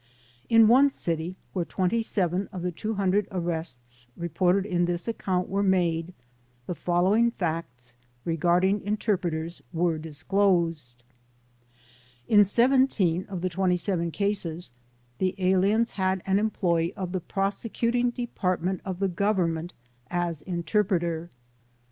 In one city where 27 of the 200 arrests reported in this account were made the following facts regarding interpreters were disclosed: In 17 of the 27 cases the aliens had an employee of the prose cuting department of the Government as interpreter (Cf.